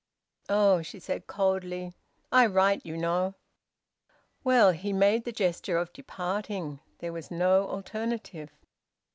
"Oh!" she said coldly, "I write, you know." "Well " He made the gesture of departing. There was no alternative.